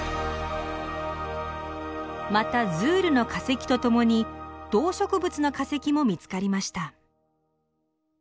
またズールの化石とともに動植物の化石も見つかりました。